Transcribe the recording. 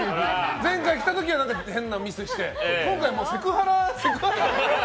前回来た時は変なミスをして今回はもうセクハラ。